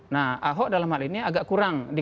nah ahok dalam hal ini agak kurang